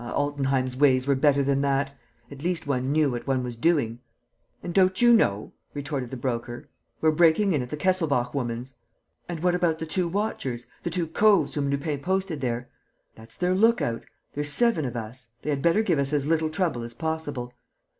Ah, Altenheim's ways were better than that. At least, one knew what one was doing." "And don't you know?" retorted the Broker. "We're breaking in at the Kesselbach woman's." "And what about the two watchers? The two coves whom Lupin posted there?" "That's their look out: there's seven of us. They had better give us as little trouble as possible."